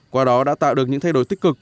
qua đó đã tạo được những thay đổi tích cực